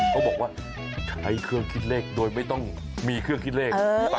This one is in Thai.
เขาบอกว่าใช้เครื่องคิดเลขโดยไม่ต้องมีเครื่องคิดเลข